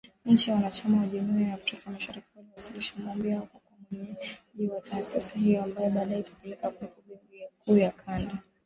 Nchini wanachama wa Jumuiya ya Afrika Mashariki waliwasilisha maombi yao ya kuwa mwenyeji wa taasisi hiyo ambayo baadae itapelekea kuwepo Benki Kuu ya kanda .